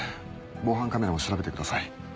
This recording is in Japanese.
防犯カメラを調べてください。